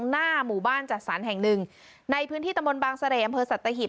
หน้าหมู่บ้านจัดสรรแห่งหนึ่งในพื้นที่ตะมนต์บางเสร่อำเภอสัตหิบ